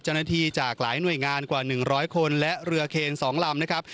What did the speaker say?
เจ้าหน้าที่จากหลายหน่วยงานกว่า๑๐๐คนและเรือเครนสองลำนะครับ